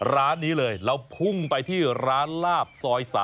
ร้านนี้เลยเราพุ่งไปที่ร้านลาบซอย๓